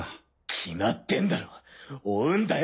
決まってんだろう追うんだよ